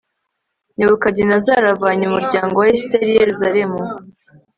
nebukadinezari avanye umuryango wa esiteri i yerusalemu